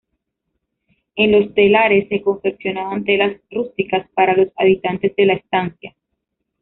En los telares se confeccionaban telas rústicas para los habitantes de la estancia.